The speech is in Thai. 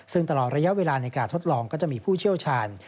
ซึ่งตลอดระยะเวลาในการทดลองก็จะมีผู้เชี่ยวชาญ